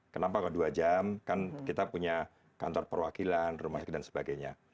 kenapa kalau dua jam kan kita punya kantor perwakilan rumah sakit dan sebagainya